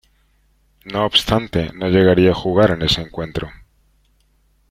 No obstante, no llegaría a jugar en ese encuentro.